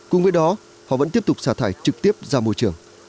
cùng với đó họ vẫn tiếp tục xả thải trực tiếp ra môi trường